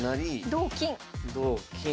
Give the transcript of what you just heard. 同金。